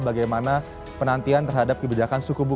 bagaimana penantian terhadap kebijakan suku bunga